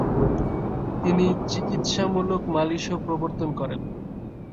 তিনি চিকিৎসামূলক মালিশও প্রবর্তন করেন।